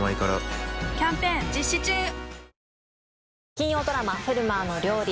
金曜ドラマ「フェルマーの料理」